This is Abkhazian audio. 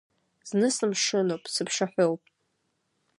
Зны сымшынуп, сыԥшаҳәоуп.